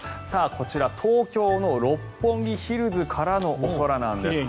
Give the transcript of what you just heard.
こちら、東京の六本木ヒルズからのお空なんです。